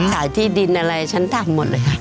ขายที่ดินอะไรฉันทำหมดเลย